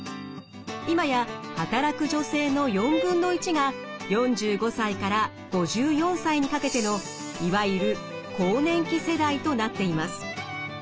今や働く女性の４分の１が４５歳から５４歳にかけてのいわゆる更年期世代となっています。